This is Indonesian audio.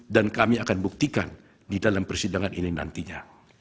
dan kami akan buktikan di dalam persidangan ini nantinya